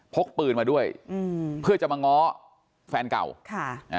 พกปืนมาด้วยเพื่อจะมาง้อแฟนเก่า